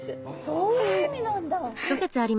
そういう意味なんだ。